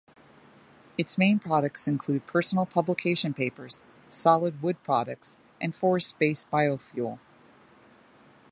Its main products include personal publication papers, solid-wood products and forest-based biofuel.